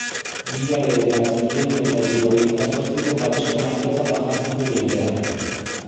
Mila bederatziehun eta hirurogeita zortziko Parisko maiatza famatzen du jendeak.